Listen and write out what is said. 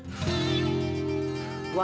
ya udah kita berdua